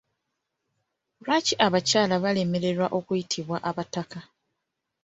Lwaki abakyala baalemererwa okuyitibwa abataka?